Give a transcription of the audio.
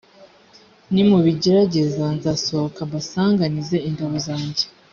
nimubigerageza, nzasohoka mbasanganize ingabo zanjye.